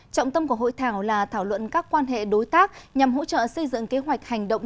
trọng tâm của hội thảo là thảo luận các quan hệ đối tác nhằm hỗ trợ xây dựng kế hoạch hành động